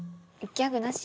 ギャグなし！